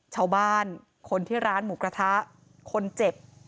ชาวบ้านคนที่ร้านหมูกระทะคนเจ็บ